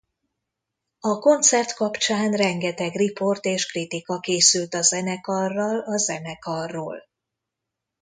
A koncert kapcsán rengeteg riport és kritika készült a zenekarral a zenekarról.